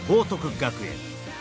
学園